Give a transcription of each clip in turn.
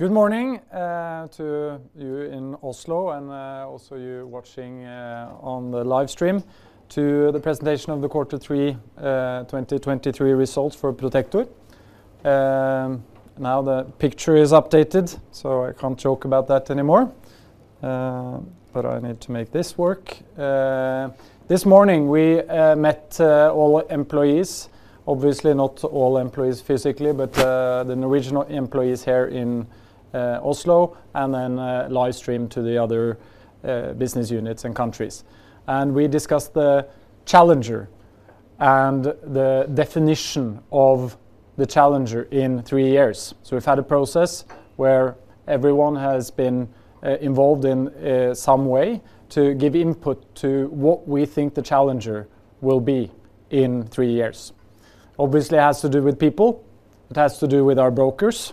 Good morning to you in Oslo and also you watching on the live stream to the presentation of the Q3 2023 results for Protector. Now the picture is updated, so I can't joke about that anymore, but I need to make this work. This morning, we met all employees. Obviously, not all employees physically, but the Norwegian employees here in Oslo, and then live stream to the other business units and countries. We discussed the challenger and the definition of the challenger in three years. We've had a process where everyone has been involved in some way to give input to what we think the challenger will be in three years. Obviously, it has to do with people, it has to do with our brokers,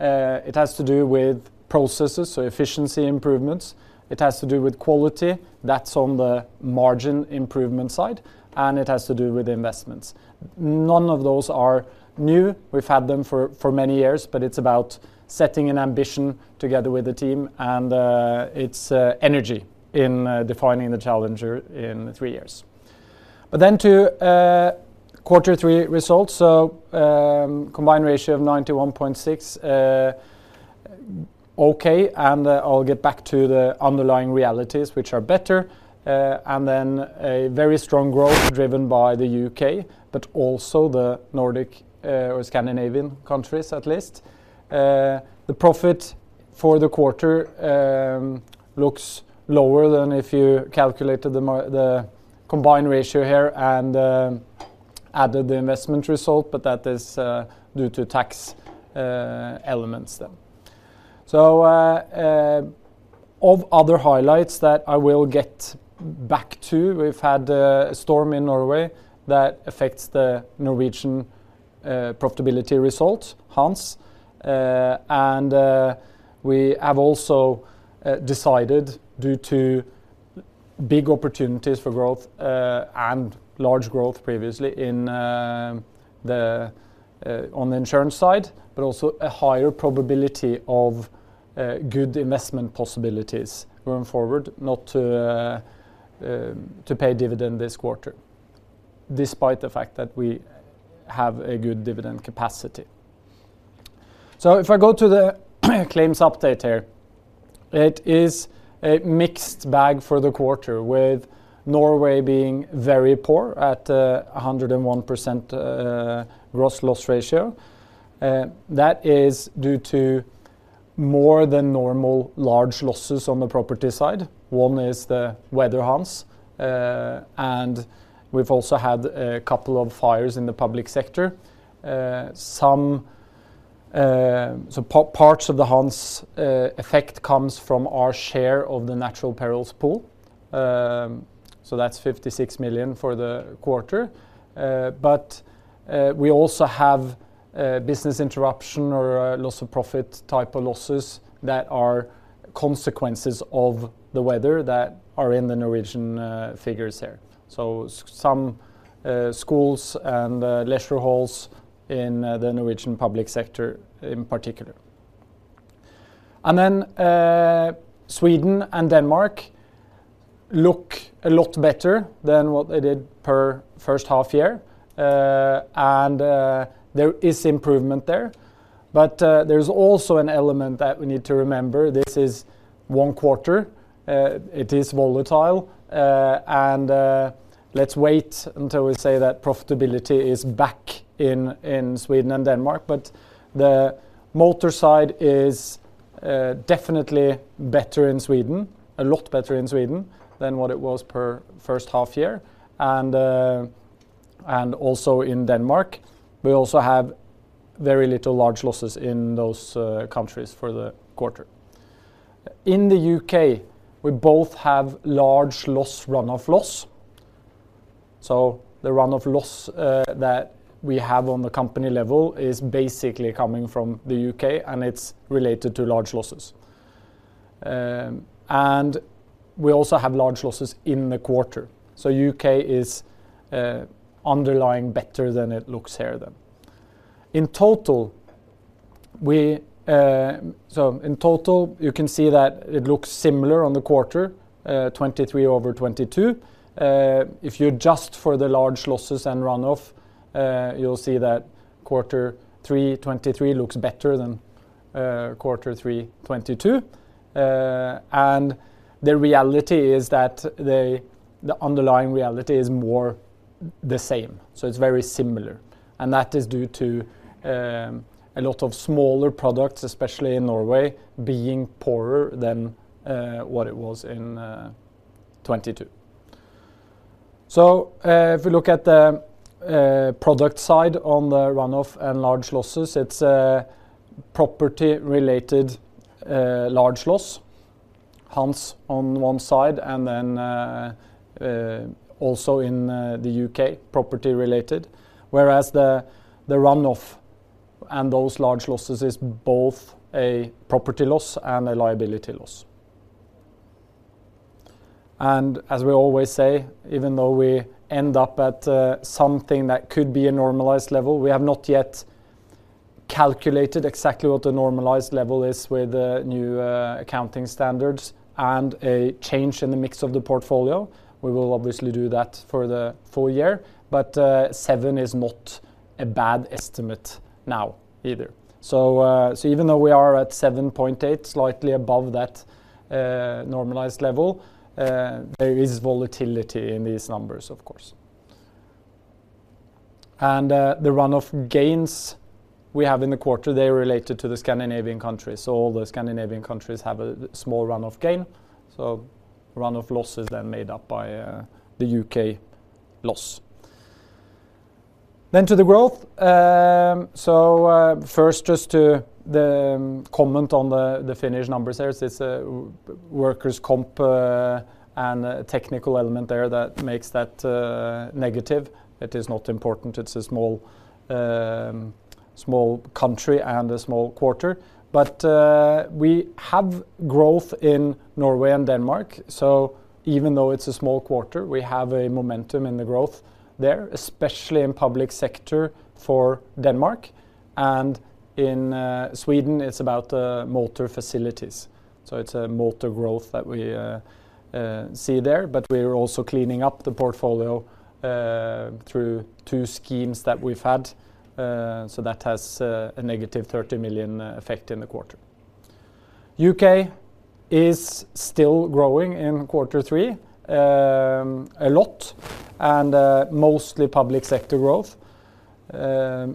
it has to do with processes, so efficiency improvements, it has to do with quality, that's on the margin improvement side, and it has to do with investments. None of those are new. We've had them for many years, but it's about setting an ambition together with the team, and it's energy in defining the challenger in three years. Then to quarter three results, combined ratio of 91.6, okay, and I'll get back to the underlying realities, which are better. Then a very strong growth driven by the U.K., but also the Nordic or Scandinavian countries at least. The profit for the quarter looks lower than if you calculated the combined ratio here and added the investment result, but that is due to tax elements then. Of other highlights that I will get back to, we've had a storm in Norway that affects the Norwegian profitability result, Hans. We have also decided, due to big opportunities for growth and large growth previously on the insurance side, but also a higher probability of good investment possibilities going forward, not to pay dividend this quarter, despite the fact that we have a good dividend capacity. If I go to the claims update here, it is a mixed bag for the quarter, with Norway being very poor at 101% gross loss ratio. That is due to more than normal large losses on the property side. One is the weather, Hans, and we've also had a couple of fires in the public sector. Parts of the Hans effect comes from our share of the natural perils pool. That's 56 million for the quarter. But we also have business interruption or loss of profit type of losses that are consequences of the weather that are in the Norwegian figures there. Some schools and leisure halls in the Norwegian public sector in particular. Sweden and Denmark look a lot better than what they did per first half year. There is improvement there, but there's also an element that we need to remember. This is one quarter. It is volatile, and let's wait until we say that profitability is back in Sweden and Denmark. The motor side is definitely better in Sweden, a lot better in Sweden than what it was per first half year, and also in Denmark. We also have very little large losses in those countries for the quarter. In the U.K., we both have large loss, run-off loss. The run-off loss that we have on the company level is basically coming from the U.K., and it's related to large losses. We also have large losses in the quarter, so U.K. is underlying better than it looks here, then. In total, you can see that it looks similar on the quarter, 2023 over 2022. If you adjust for the large losses and run-off, you'll see that quarter three 2023 looks better than quarter three 2022. The reality is that the underlying reality is more the same, so it's very similar. That is due to a lot of smaller products, especially in Norway, being poorer than what it was in 2022. If we look at the product side on the run-off and large losses, it's a property-related large loss, Hans on one side, and then also in the U.K., property-related. Whereas the run-off and those large losses is both a property loss and a liability loss. As we always say, even though we end up at something that could be a normalized level, we have not yet calculated exactly what the normalized level is with the new accounting standards and a change in the mix of the portfolio. We will obviously do that for the full year, but 7 is not a bad estimate now either. Even though we are at 7.8, slightly above that normalized level, there is volatility in these numbers, of course. The run-off gains we have in the quarter, they are related to the Scandinavian countries. All the Scandinavian countries have a small run-off gain, so run-off losses then made up by the U.K. loss. To the growth, first, just to the comment on the Finnish numbers there, it's a workers' comp and a technical element there that makes that negative. It is not important. It's a small, small country and a small quarter. We have growth in Norway and Denmark, so even though it's a small quarter, we have a momentum in the growth there, especially in public sector for Denmark, and in Sweden, it's about motor facilities. It's a motor growth that we see there, but we are also cleaning up the portfolio through two schemes that we've had, so that has a negative 30 million effect in the quarter. U.K. is still growing in quarter three a lot, and mostly public sector growth,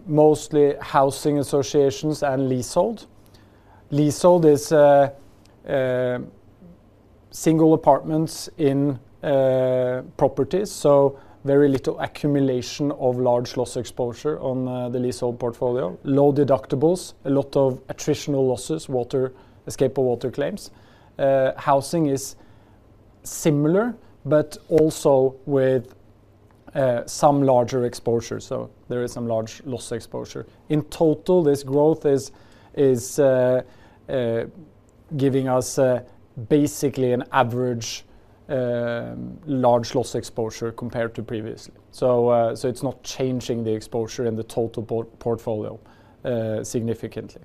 mostly housing associations and leasehold. Leasehold is a single apartments in properties, so very little accumulation of large loss exposure on the leasehold portfolio. Low deductibles, a lot of attritional losses, escape of water claims. Housing is similar, but also with some larger exposure, so there is some large loss exposure. In total, this growth is giving us basically an average large loss exposure compared to previously. It's not changing the exposure in the total portfolio significantly.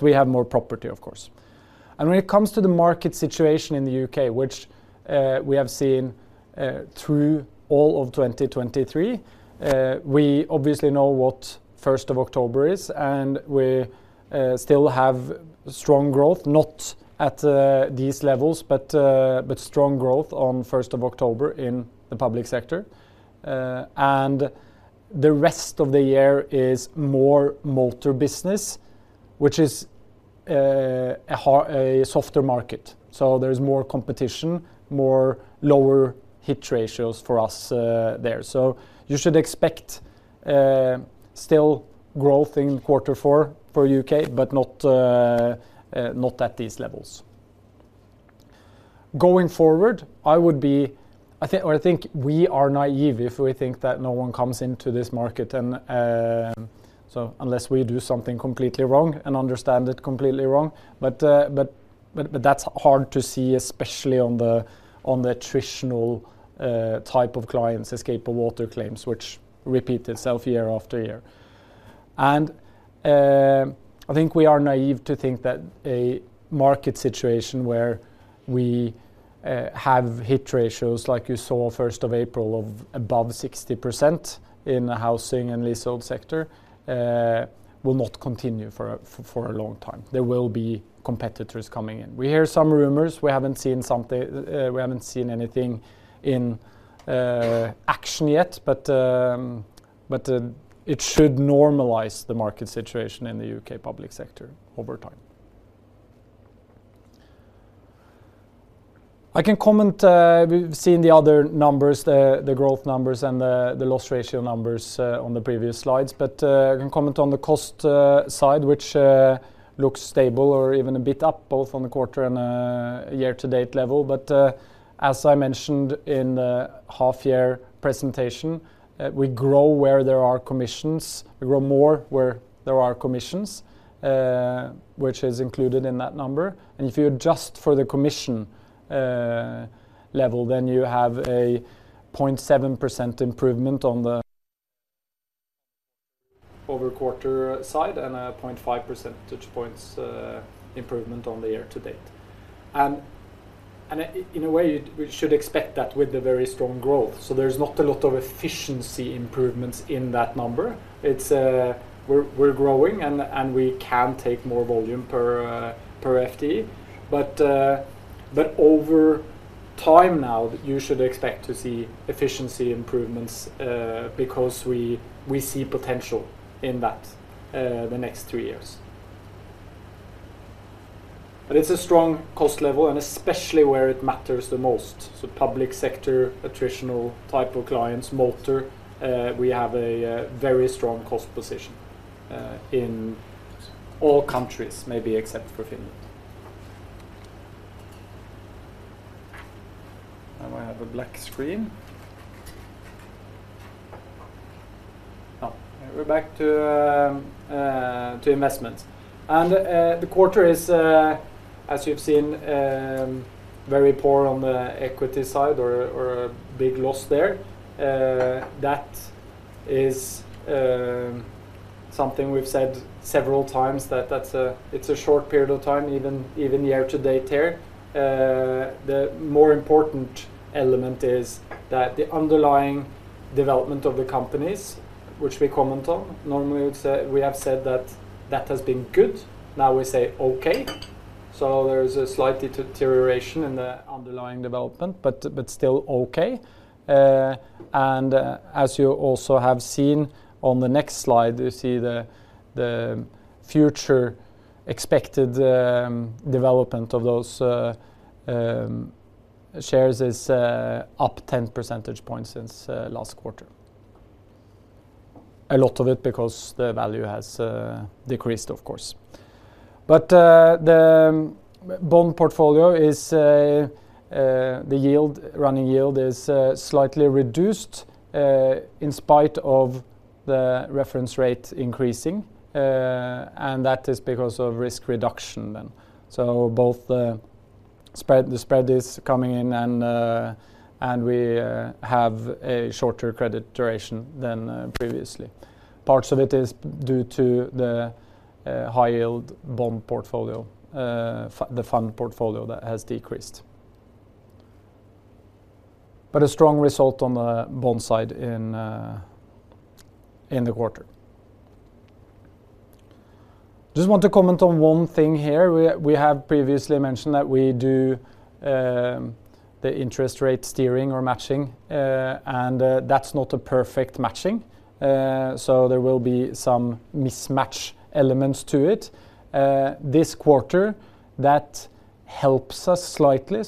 We have more property, of course. When it comes to the market situation in the U.K., which we have seen through all of 2023, we obviously know what 1st of October is, and we still have strong growth, not at these levels, but strong growth on 1st of October in the public sector. The rest of the year is more motor business, which is a softer market. So there's more competition, more lower hit ratios for us there. You should expect still growth in quarter four for U.K., but not at these levels. Going forward, I think we are naive if we think that no one comes into this market, and so unless we do something completely wrong and understand it completely wrong. But that's hard to see, especially on the attritional type of clients, escape of water claims, which repeat itself year after year. I think we are naive to think that a market situation where we have hit ratios, like you saw 1st of April, of above 60% in the housing and leasehold sector will not continue for a long time. There will be competitors coming in. We hear some rumors. We haven't seen anything in action yet, but it should normalize the market situation in the U.K. public sector over time. I can comment. We've seen the other numbers, the growth numbers and the loss ratio numbers on the previous slides, but I can comment on the cost side, which looks stable or even a bit up, both on the quarter and year-to-date level. As I mentioned in the half-year presentation, we grow where there are commissions. We grow more where there are commissions, which is included in that number. If you adjust for the commission level, then you have a 0.7% improvement on the over-quarter side and a 0.5 percentage points improvement on the year-to-date. In a way, we should expect that with the very strong growth. There's not a lot of efficiency improvements in that number. It's, we're growing, and we can take more volume per FTE. Over time now, you should expect to see efficiency improvements because we see potential in that the next two years. It's a strong cost level, and especially where it matters the most. Public sector, attritional type of clients, motor, we have a very strong cost position in all countries, maybe except for Finland. Now I have a black screen. Oh, we're back to investments. The quarter is, as you've seen, very poor on the equity side or a big loss there. That is something we've said several times, that it's a short period of time, even year to date here. The more important element is that the underlying development of the companies, which we comment on, normally, we have said that that has been good. Now we say, okay, so there is a slightly deterioration in the underlying development, but still okay. As you also have seen on the next slide, you see the future expected development of those shares is up 10 percentage points since last quarter. A lot of it because the value has decreased, of course. The bond portfolio is, the yield, running yield is slightly reduced in spite of the reference rate increasing, and that is because of risk reduction then. Both the spread is coming in, and we have a shorter credit duration than previously. Parts of it is due to the high-yield bond portfolio, the fund portfolio that has decreased. A strong result on the bond side in the quarter. Just want to comment on one thing here. We have previously mentioned that we do the interest rate steering or matching, and that's not a perfect matching, so there will be some mismatch elements to it. This quarter, that helps us slightly.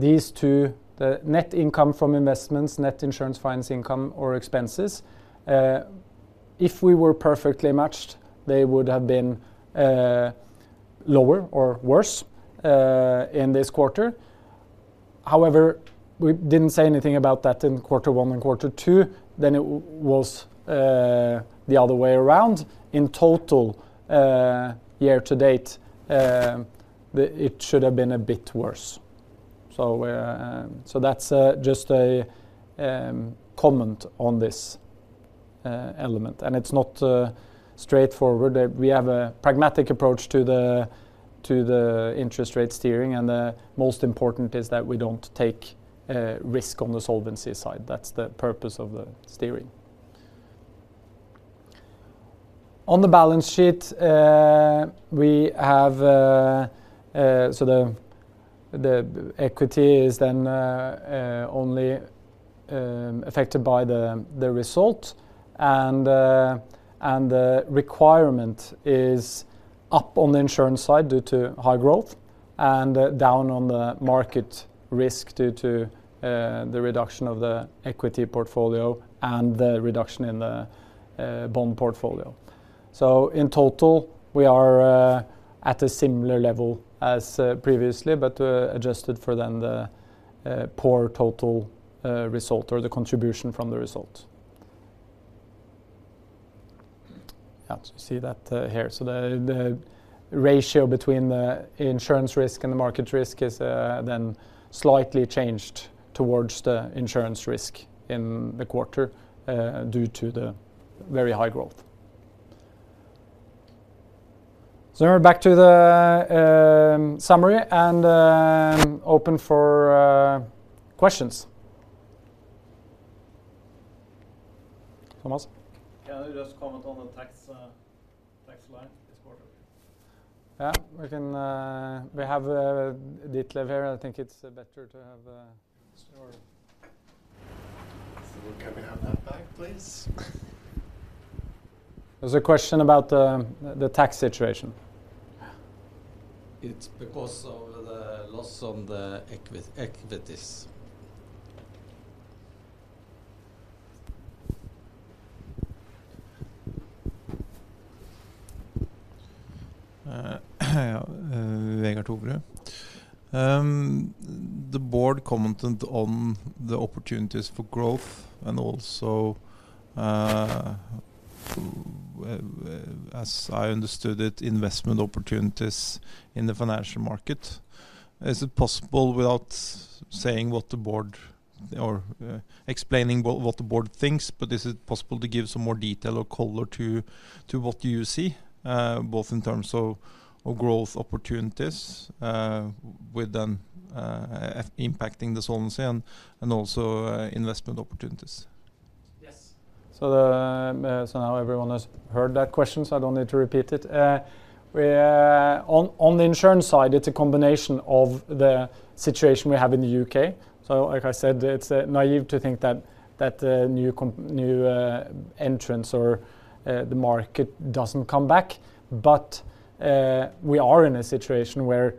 These two, the net income from investments, net insurance finance income or expenses, if we were perfectly matched, they would have been lower or worse in this quarter. However, we didn't say anything about that in quarter one and quarter two, then it was the other way around. In total, year-to-date, it should have been a bit worse. That's just a comment on this element, and it's not straightforward. We have a pragmatic approach to the interest rate steering, and the most important is that we don't take risk on the solvency side. That's the purpose of the steering. On the balance sheet, the equity is then only affected by the result, and the requirement is up on the insurance side due to high growth, and down on the market risk due to the reduction of the equity portfolio and the reduction in the bond portfolio. In total, we are at a similar level as previously, but adjusted for then the poor total result or the contribution from the result. Yeah, so you see that here. The ratio between the insurance risk and the market risk is then slightly changed towards the insurance risk in the quarter due to the very high growth. Back to the summary and open for questions. Thomas? Can you just comment on the tax line this quarter? Yeah, we have Ditlev here. I think it's better to have. Sure. Can we have that back, please? There's a question about the tax situation. It's because of the loss on the equities. Vegard Toverud. The board commented on the opportunities for growth and also, as I understood it, investment opportunities in the financial market. Is it possible, without saying what the board or explaining what the board thinks, but is it possible to give some more detail or color to what you see, both in terms of growth opportunities with them impacting the solvency and also investment opportunities? Yes. Now everyone has heard that question, so I don't need to repeat it. On the insurance side, it's a combination of the situation we have in the U.K. Like I said, it's naive to think that the new entrants or the market doesn't come back. But we are in a situation where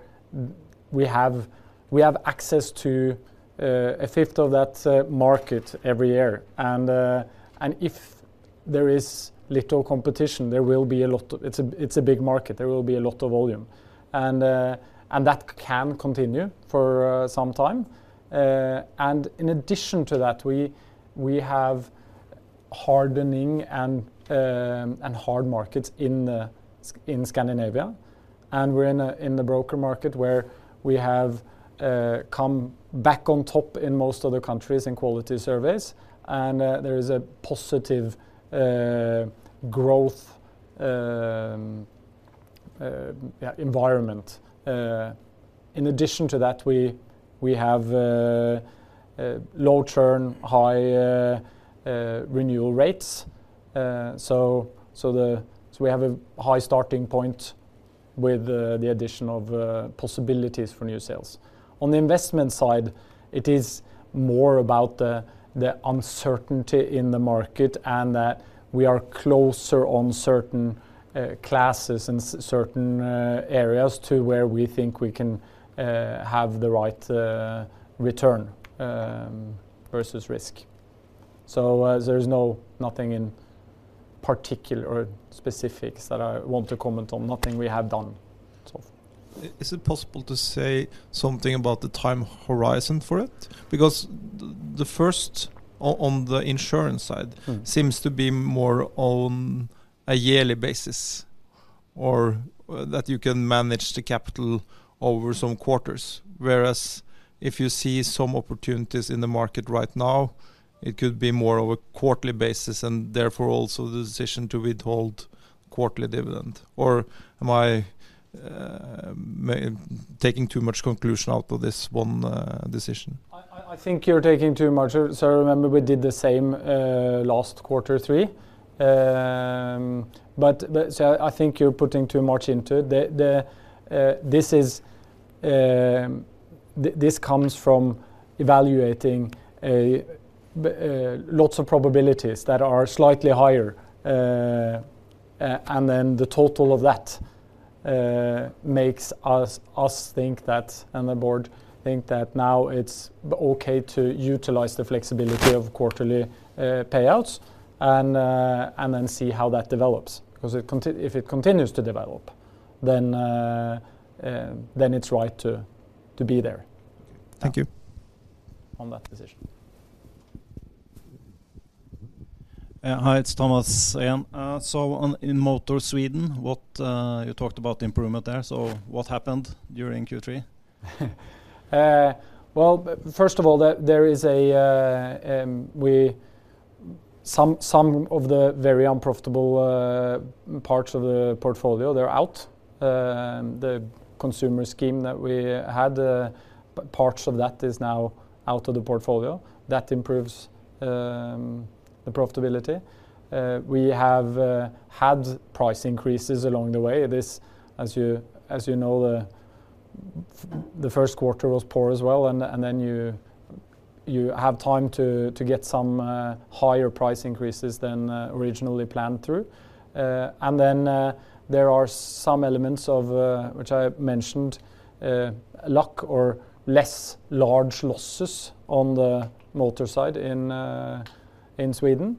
we have access to a fifth of that market every year. If there is little competition, it's a big market, there will be a lot of volume. That can continue for some time. In addition to that, we have hardening and hard markets in Scandinavia, and we're in the broker market, where we have come back on top in most other countries in quality surveys, and there is a positive growth, yeah, environment. In addition to that, we have low churn, high renewal rates. We have a high starting point with the addition of possibilities for new sales. On the investment side, it is more about the uncertainty in the market, and that we are closer on certain classes and certain areas to where we think we can have the right return versus risk. There's nothing in particular or specifics that I want to comment on, nothing we have done, so. Is it possible to say something about the time horizon for it? Because the first on the insurance side. Mm. Seems to be more on a yearly basis, or that you can manage the capital over some quarters. Whereas, if you see some opportunities in the market right now, it could be more of a quarterly basis, and therefore also the decision to withhold quarterly dividend. Or am I taking too much conclusion out of this one decision? I think you're taking too much. Remember, we did the same last quarter 3. I think you're putting too much into it. This comes from evaluating lots of probabilities that are slightly higher. The total of that makes us think that, and the board think that now it's okay to utilize the flexibility of quarterly payouts and then see how that develops. Because if it continues to develop, then it's right to be there. Thank you. On that decision. Hi, it's Thomas again. In Motor Sweden, you talked about the improvement there, so what happened during Q3? Well, first of all, some of the very unprofitable parts of the portfolio, they're out. The consumer scheme that we had, parts of that is now out of the portfolio. That improves the profitability. We have had price increases along the way. This, as you know, the first quarter was poor as well, and then you have time to get some higher price increases than originally planned through. Then there are some elements of, which I mentioned, luck or less large losses on the motor side in Sweden.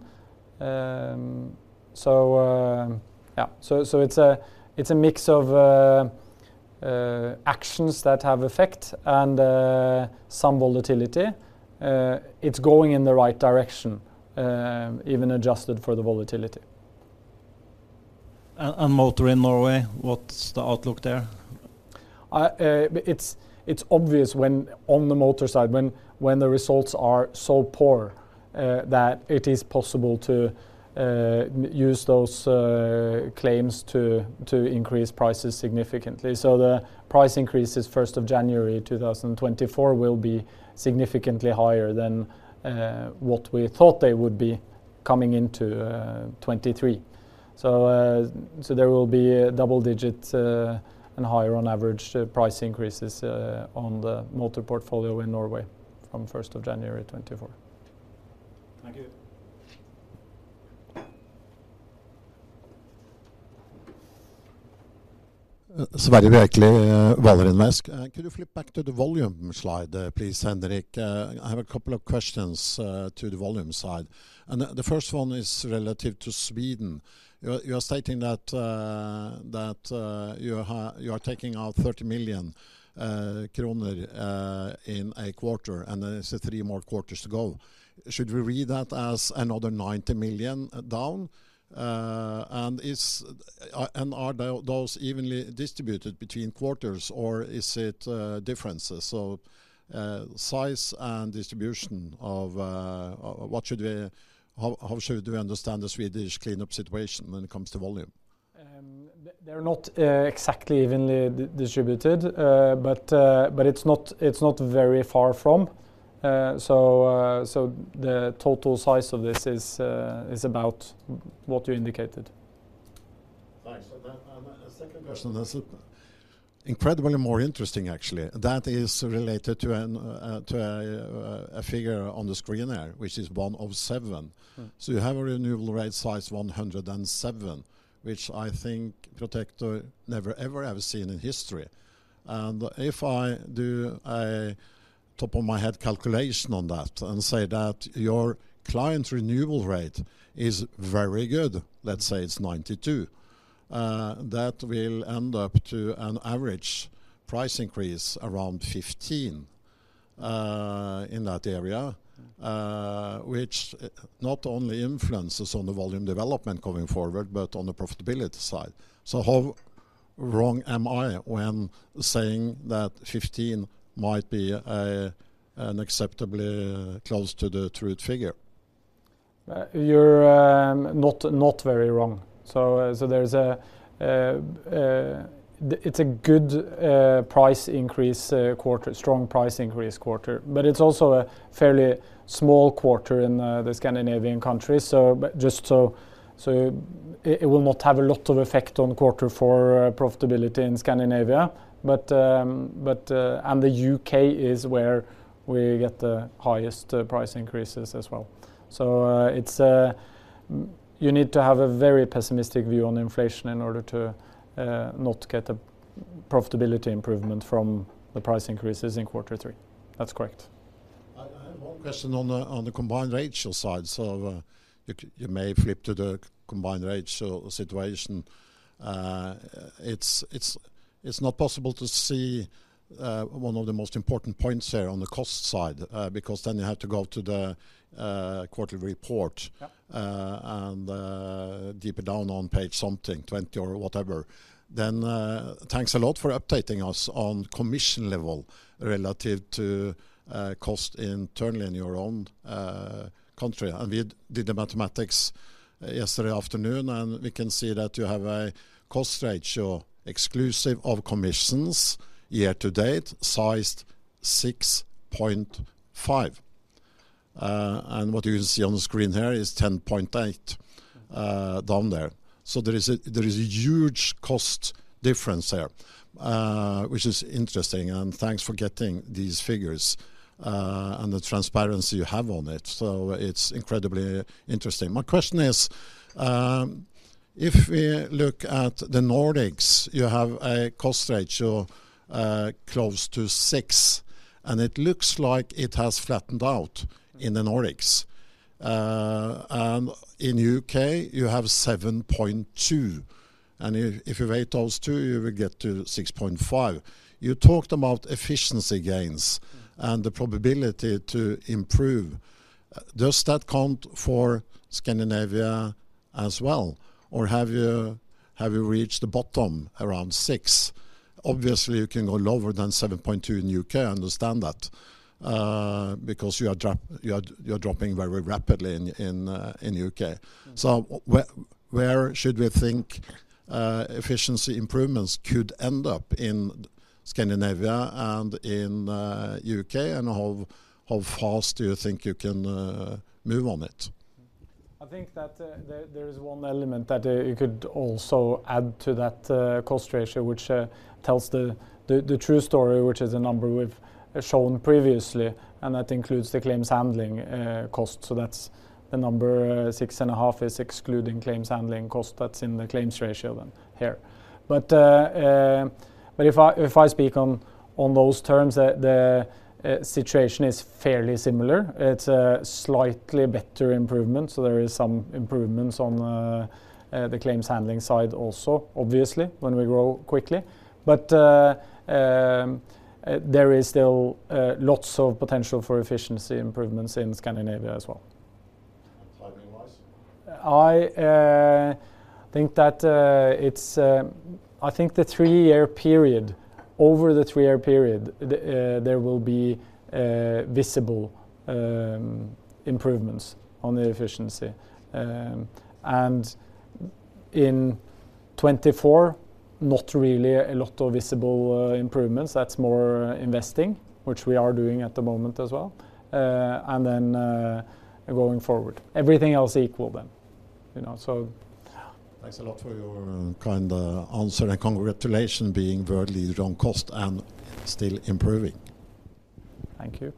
So, yeah. So it's a mix of actions that have effect and some volatility. It's going in the right direction, even adjusted for the volatility. Motor in Norway, what's the outlook there? It's obvious when, on the motor side, when the results are so poor, that it is possible to use those claims to increase prices significantly. The price increases first of January 2024 will be significantly higher than what we thought they would be coming into 2023. There will be a double digits and higher on average price increases on the motor portfolio in Norway from first of January 2024. Thank you. Sverre Bækkevold, Valoren Invest. Could you flip back to the volume slide, please, Henrik? I have a couple of questions to the volume side, and the first one is relative to Sweden. You are stating that you are taking out 30 million kroner in a quarter, and then it's three more quarters to go. Should we read that as another 90 million down? And are those evenly distributed between quarters, or is it differences? Size and distribution of... how should we understand the Swedish cleanup situation when it comes to volume? They're not exactly evenly distributed, but it's not, it's not very far from. The total size of this is about what you indicated. Thanks. A second question that's incredibly more interesting, actually. That is related to a figure on the screen there, which is 107. Mm. You have a renewal rate size 107, which I think Protector never, ever, ever seen in history. If I do a top-of-my-head calculation on that and say that your client renewal rate is very good, let's say it's 92, that will end up to an average price increase around 15 in that area, which not only influences on the volume development going forward, but on the profitability side. How wrong am I when saying that 15 might be an acceptably close to the truth figure? You're not very wrong. It's a good price increase quarter, strong price increase quarter, but it's also a fairly small quarter in the Scandinavian countries. It will not have a lot of effect on quarter four profitability in Scandinavia. The U.K. is where we get the highest price increases as well. You need to have a very pessimistic view on inflation in order to not get a profitability improvement from the price increases in quarter three. That's correct. I have one question on the combined ratio side. You may flip to the combined ratio situation. It's not possible to see one of the most important points there on the cost side because then you have to go to the quarterly report. Yeah Deeper down on page something, 20 or whatever. Thanks a lot for updating us on commission level relative to cost internally in your own country. We did the mathematics yesterday afternoon, and we can see that you have a cost ratio, exclusive of commissions, year to date, sized 6.5. What you see on the screen here is 10.8 down there. There is a huge cost difference there, which is interesting, and thanks for getting these figures and the transparency you have on it. It's incredibly interesting. My question is, if we look at the Nordics, you have a cost ratio close to six, and it looks like it has flattened out in the Nordics. In U.K., you have 7.2, and if you weight those two, you will get to 6.5. You talked about efficiency gains and the probability to improve. Does that count for Scandinavia as well, or have you reached the bottom around 6? Obviously, you can go lower than 7.2 in U.K., I understand that, because you are dropping very rapidly in U.K. Where should we think efficiency improvements could end up in Scandinavia and in U.K., and how fast do you think you can move on it? I think that there is one element that you could also add to that cost ratio, which tells the true story, which is a number we've shown previously, and that includes the claims handling cost. That's the number 6.5 is excluding claims handling cost. That's in the claims ratio then here. If I speak on those terms, the situation is fairly similar. It's a slightly better improvement, so there is some improvements on the claims handling side also, obviously, when we grow quickly. There is still lots of potential for efficiency improvements in Scandinavia as well. Timing-wise? will be visible improvements on the efficiency. I think the three-year period, over the three-year period, there will be visible improvements on the efficiency." * Is "improvements" correct? Yes. * Wait, "I think the three-year period, over the three-year period, there will be visible improvements on the efficiency. Thanks a lot for your kind answer, and congratulations being world leader on cost and still improving. Thank you.